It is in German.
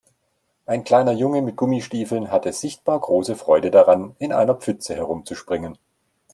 Ein kleiner Junge mit Gummistiefeln hatte sichtbar große Freude daran, in einer Pfütze herumzuspringen.